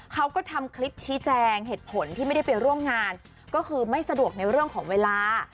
เขาก็ทำคลิปชี้แจงเหตุผลที่ไม่ได้ไปร่วมงานก็คือไม่สะดวกในเรื่องของเวลา